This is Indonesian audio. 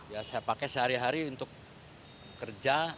ya saya pakai sehari hari untuk kerja